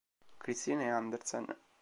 Kristine Andersen